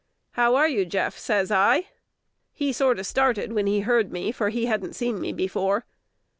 "How are you, Jeff?" says I. He sorter started when he heard me, for he hadn't seen me before.